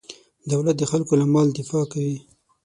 دولت د خلکو له مال دفاع کوي.